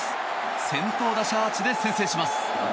先頭打者アーチで先制します。